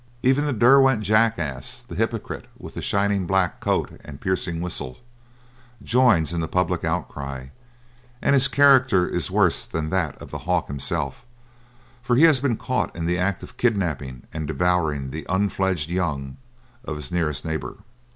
Even the Derwent Jackass, the hypocrite with the shining black coat and piercing whistle, joins in the public outcry, and his character is worse than that of the hawk himself, for he has been caught in the act of kidnapping and devouring the unfledged young of his nearest neighbour.